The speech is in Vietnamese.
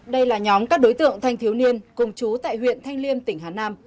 đây là nhóm các đối tượng thanh thiếu niên cùng chú tại huyện thanh liêm tỉnh hà nam